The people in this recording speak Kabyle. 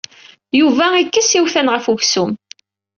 Yuba ikess iwtan ɣef weksum.